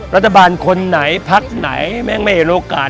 รัฐบาลคนไหนพักไหนแม่งไม่เห็นโอกาส